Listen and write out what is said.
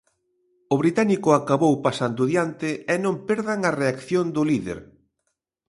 O británico acabou pasando diante, e non perdan a reacción do líder.